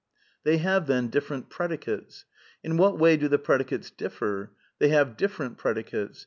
They have, then, different predicates. In what way do the predicates differ ? They have different predicates.